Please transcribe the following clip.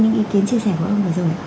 những ý kiến chia sẻ của ông vừa rồi